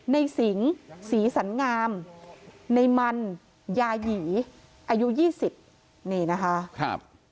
สิงศรีสันงามในมันยาหยีอายุ๒๐นี่นะคะครับ